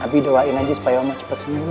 abie doain aja supaya oma cepet senyum ya